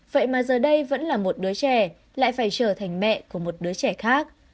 vậy mà giờ đây vẫn là một đứa trẻ lại phải trở thành mẹ của một đứa trẻ khác